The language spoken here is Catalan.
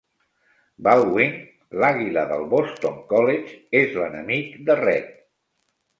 Baldwin, l'àguila del Boston College, és l'enemic de Rhett.